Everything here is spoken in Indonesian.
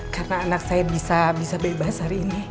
karena anak saya bisa bebas hari ini